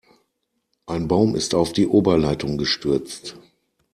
Ein Baum ist auf die Oberleitung gestürzt.